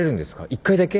１回だけ？